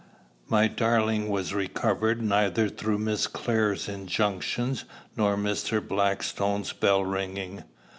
My darling was recovered neither through Miss Clare's injunctions nor Mr. Blackstone's bell ringing.